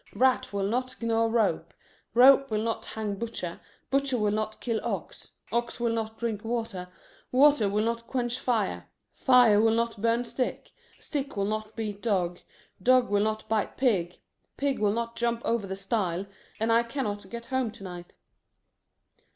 Rat will not gnaw rope, Rope will not hang butcher, Butcher will not kill ox, Ox will not drink water, Water will not quench fire, Fire will not burn stick, Stick will not beat dog, Dog will not bite pig, Pig will not jump over the stile, And I cannot get home to night."